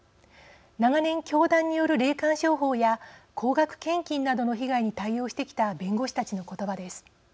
長年、教団による霊感商法や高額献金などの被害に対応してきた弁護士たちの言葉です。